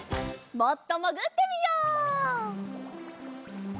もっともぐってみよう。